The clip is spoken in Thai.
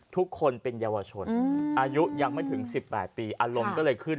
ทุกคนเป็นเยาวชนอายุยังไม่ถึง๑๘ปีอารมณ์ก็เลยขึ้น